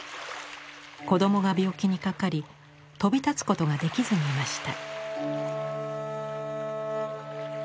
子どもが病気にかかり飛び立つことができずにいました。